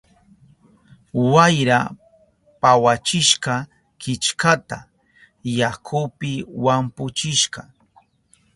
Wayra pawachishka killkata, yakupi wampuchishka.